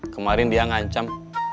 kemarin dia ngancam